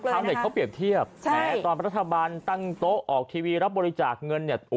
ทำเหตุเขาเปรียบเทียบตอนประธาบาลตั้งโต๊ะออกทีวีรับบริจาคเงินเนี่ย